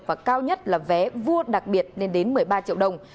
và cao nhất là vé vua đặc biệt lên đến một mươi ba triệu đồng